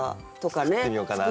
作ってみようかなって。